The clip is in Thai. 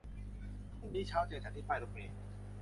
พรุ่งนี้เช้าเจอฉันที่ป้ายรถเมล์